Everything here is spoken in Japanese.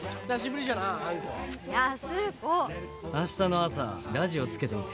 明日の朝ラジオつけてみて。